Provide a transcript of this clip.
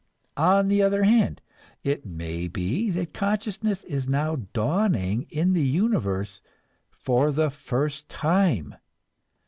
On the other hand it may be that consciousness is now dawning in the universe for the first time.